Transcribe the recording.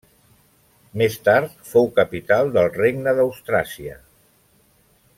Més tard fou capital del regne d'Austràsia.